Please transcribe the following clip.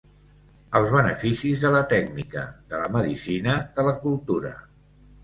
Els beneficis de la tècnica, de la medicina, de la cultura.